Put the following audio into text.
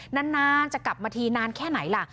นานจะกลับมาทีนานแค่ไหนล่ะ